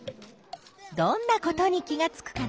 どんなことに気がつくかな？